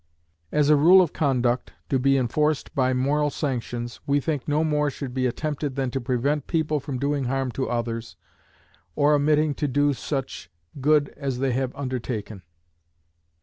As a rule of conduct, to be enforced by moral sanctions, we think no more should be attempted than to prevent people from doing harm to others, or omitting to do such good as they have undertaken.